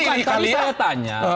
tadi saya tanya